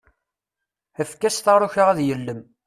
Efk-as taruka ad yellem.